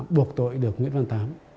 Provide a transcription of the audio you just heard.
buộc tội được nguyễn văn tám